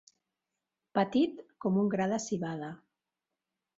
Petit com un gra de civada.